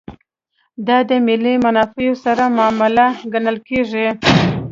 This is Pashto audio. دا د ملي منافعو سره معامله ګڼل کېږي.